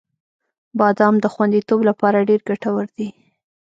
• بادام د خوندیتوب لپاره ډېر ګټور دی.